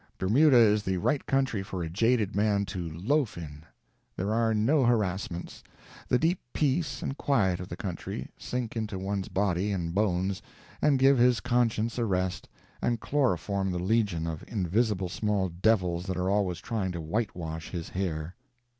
Bermuda is the right country for a jaded man to "loaf" in. There are no harassments; the deep peace and quiet of the country sink into one's body and bones and give his conscience a rest, and chloroform the legion of invisible small devils that are always trying to whitewash his hair.